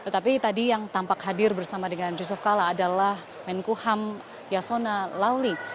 tapi tadi yang tampak hadir bersama dengan yusuf kala adalah menkuham yasona lauli